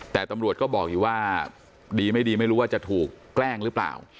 แต่ตำรวจก็บอกอยู่ว่าดีไม่ดีไม่รู้ว่าจะถูกแกล้งหรือเปล่า